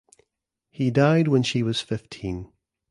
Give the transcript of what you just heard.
He died when she was fifteen.